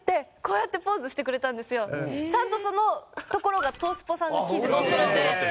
ちゃんとそのところが『東スポ』さんの記事に載ったので。